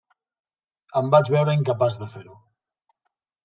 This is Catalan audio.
Em vaig veure incapaç de fer-ho.